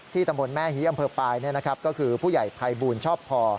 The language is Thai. ที่ตำบลแม่ฮีอำเภอปลายนะครับก็คือผู้ใหญ่ไพบูนชอบพอ